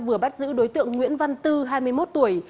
vừa bắt giữ đối tượng nguyễn văn tư hai mươi một tuổi